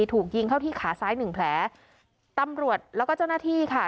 ถูกยิงเข้าที่ขาซ้ายหนึ่งแผลตำรวจแล้วก็เจ้าหน้าที่ค่ะ